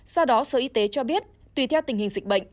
sau đó sở y tế cho biết tùy theo tình hình dịch bệnh